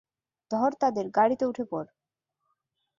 ধর তাদের -গাড়িতে উঠে পড়।